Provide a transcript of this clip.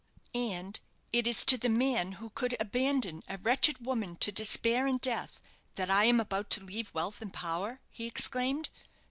"And it is to the man who could abandon a wretched woman to despair and death, that I am about to leave wealth and power," he exclaimed.